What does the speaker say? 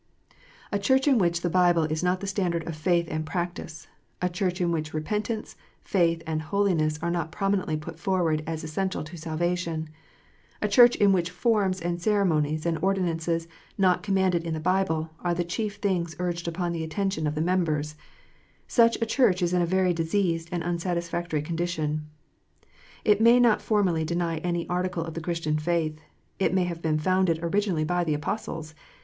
A Church in which the Bible is not the standard of faith and practice, a Church in which repentance, faith, and holiness, are not prominently put forward as essential to salva tion, a Church in which forms, and ceremonies, and ordinances not commanded in the Bible, are the chief things urged upon the attention of the members, such a Church is in a very diseased and unsatisfactory condition. It may not formally deny any article of the Christian faith. It may have been founded originally by the Apostles.